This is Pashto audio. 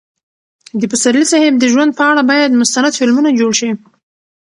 د پسرلي صاحب د ژوند په اړه باید مستند فلمونه جوړ شي.